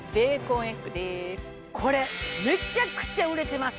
これめちゃくちゃ売れてます。